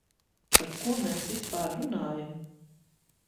Par ko mēs vispār runājam?